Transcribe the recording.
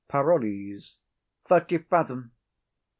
PAROLLES. Thirty fathom.